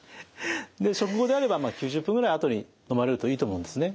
で食後であれば９０分ぐらいあとにのまれるといいと思うんですね。